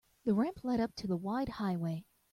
The ramp led up to the wide highway.